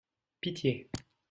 Pitié !